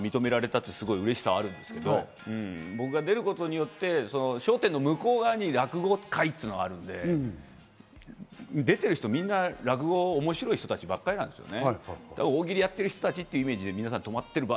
オファーしてくれたってのが認められたって、すごくうれしさはあるんですけど、僕が出ることによって、『笑点』の向こう側に落語会っていうのがあるので、出てる人みんな、落語、面白い人たちばっかりなんですよね。